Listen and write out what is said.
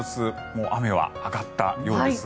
もう雨は上がったようです。